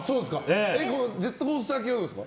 ジェットコースター系はどうですか？